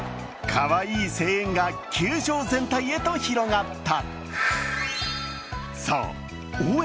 かわいい声援が球場全体へと広がった。